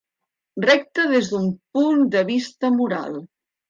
Recta des d'un punt de vista moral.